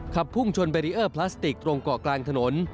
พุ่งชนแบรีเออร์พลาสติกตรงเกาะกลางถนน